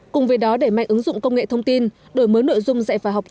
cùng với đó đẩy mạnh ứng dụng công nghệ thông tin đổi mới nội dung dạy và học